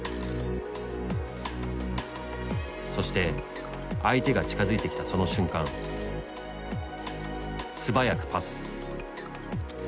そして相手が近づいてきたその瞬間素早くパス。